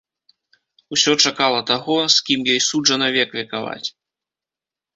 Усё чакала таго, з кім ёй суджана век векаваць.